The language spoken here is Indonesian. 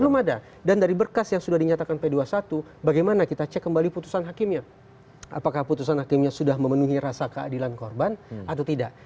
belum ada dan dari berkas yang sudah dinyatakan p dua puluh satu bagaimana kita cek kembali putusan hakimnya apakah putusan hakimnya sudah memenuhi rasa keadilan korban atau tidak